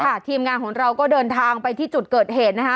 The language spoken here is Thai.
ทีมงานของเราก็เดินทางไปที่จุดเกิดเหตุนะคะ